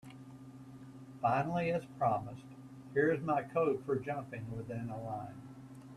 Finally, as promised, here is my code for jumping within a line.